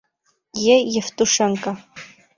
Е. Евтушенко